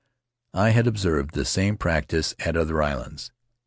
I had observed the same practice at other islands.